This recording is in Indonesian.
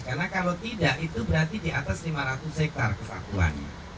karena kalau tidak itu berarti di atas lima ratus hektare kesatuannya